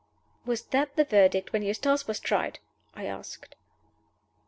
"Was that the Verdict when Eustace was tried?" I asked.